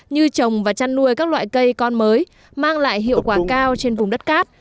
như trồng và chăn nuôi các loại cây con mới mang lại hiệu quả cao trên vùng đất cát